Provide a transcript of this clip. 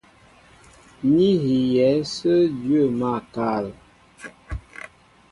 Ní hiyɛ̌ ásə̄ dwə̂ máál kâ.